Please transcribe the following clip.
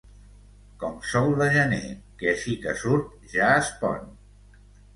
Com sol de gener, que així que surt ja es pon.